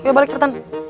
ya balik cepetan